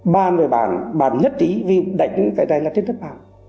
bàn với bản bản nhất trí vì đẩy cái này là trên thất bản